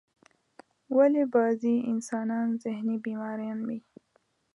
ولی بازی انسانان ذهنی بیماران وی ؟